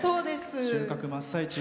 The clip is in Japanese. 収穫真っ最中。